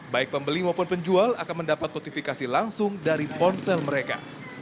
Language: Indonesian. baik pembeli maupun penjual akan mendapat notifikasi langsung dari ponsel mereka